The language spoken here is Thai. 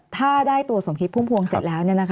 ถ้าได้ตัวสมคิดพุ่มพวงเสร็จแล้ว